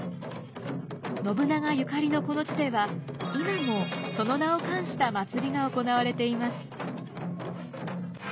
信長ゆかりのこの地では今もその名を冠した祭りが行われています。